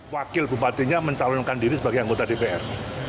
wakil bupatinya mencalonkan diri sebagai anggota dpr